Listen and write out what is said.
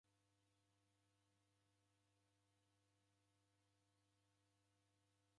Mao odeka mundu obonya bidii shuu.